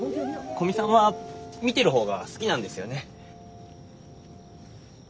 古見さんは見てる方が好きなんですよね？